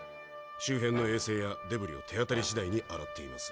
周辺の衛星やデブリを手当たりしだいに洗っています。